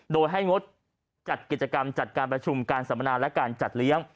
โดยให้งดจัดกิจกรรมจัดการประชุมการสัมมนาและการจัดเลี้ยง